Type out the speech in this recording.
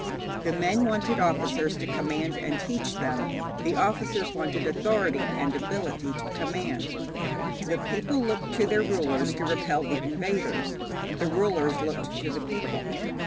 The men wanted officers to command and teach them; the officers wanted authority and ability to command. The people looked to their rulers to repel the invaders; the rulers looked to the people.